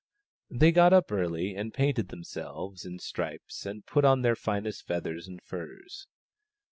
They got up early and painted themselves in stripes and put on their finest feathers and furs.